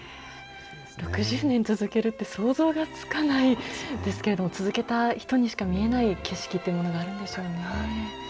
６０年続けるって、想像がつかないですけれども、続けた人にしか見えない景色っていうものがあるんでしょうね。